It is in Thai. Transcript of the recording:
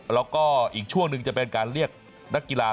แล้วก็อีกช่วงหนึ่งจะเป็นการเรียกนักกีฬา